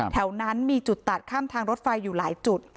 แถวนั้นมีจุดตัดข้ามทางรถไฟอยู่หลายจุด